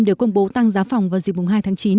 đều công bố tăng giá phòng vào dịp mùa hai tháng chín